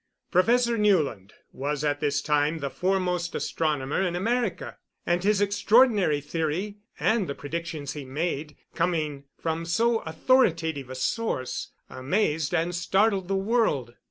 Professor Newland was at this time the foremost astronomer in America, and his extraordinary theory and the predictions he made, coming from so authoritative a source, amazed and startled the world.